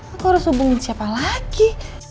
aku harus hubungin siapa lagi